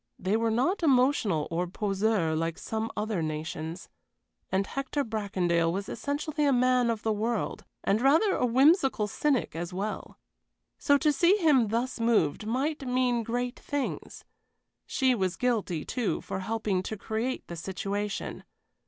They were not emotional or poseurs like some other nations, and Hector Bracondale was essentially a man of the world, and rather a whimsical cynic as well. So to see him thus moved must mean great things. She was guilty, too, for helping to create the situation.